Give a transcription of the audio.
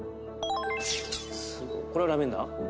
これラベンダー？